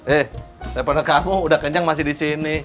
eh depan kamu udah kenyang masih disini